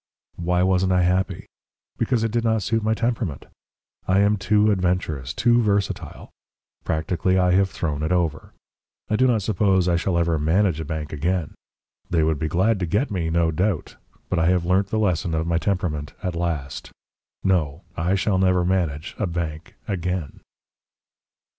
Why wasn't I happy? Because it did not suit my temperament. I am too adventurous too versatile. Practically I have thrown it over. I do not suppose I shall ever manage a bank again. They would be glad to get me, no doubt; but I have learnt the lesson of my temperament at last.... No! I shall never manage a bank again.